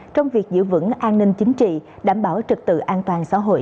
trong việc giữ vững an ninh chính trị đảm bảo trực tự an toàn xã hội